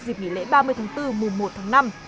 dịp nghỉ lễ ba mươi tháng bốn mùa một tháng năm